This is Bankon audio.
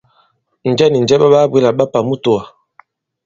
Njɛ nì njɛ ɓa ɓaa-bwě là ɓa pà i mutōwà?